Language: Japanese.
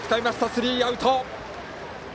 スリーアウト。